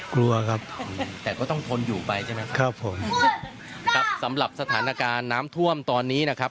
กลัวครับแต่ก็ต้องทนอยู่ไปใช่ไหมครับผมครับสำหรับสถานการณ์น้ำท่วมตอนนี้นะครับ